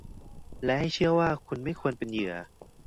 และให้เชื่อว่าคุณไม่ควรเป็นเหยื่อ